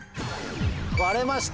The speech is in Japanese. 割れました。